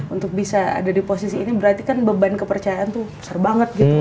untuk bisa ada di posisi ini berarti kan beban kepercayaan tuh besar banget gitu